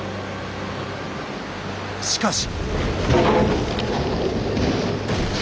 しかし。